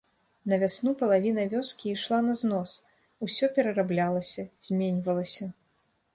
На вясну палавіна вёскі ішла на знос, усё перараблялася, зменьвалася.